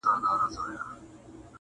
له اغيار سره يې كړي پيوندونه٫